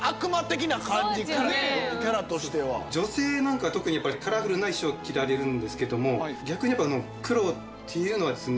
女性なんかは特にカラフルな衣装を着られるんですけども逆にやっぱ黒っていうのはですね